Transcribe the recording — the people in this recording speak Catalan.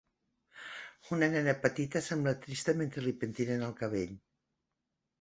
Una nena petita sembla trista mentre li pentinen el cabell.